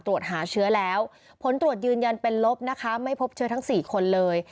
ตรวจหาเชื้อแล้วผลตรวจยืนยันเป็นลบนะคะไม่พบเชื้อทั้ง๔คนเลย